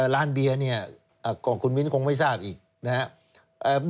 ร้านเบียร์เนี่ยก็คุณมิ้นคงไม่ทราบอีกนะครับ